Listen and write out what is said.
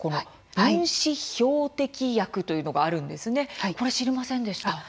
分子標的薬という薬があるんですね知りませんでした。